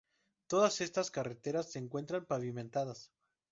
Todas estas carreteras se encuentran pavimentadas.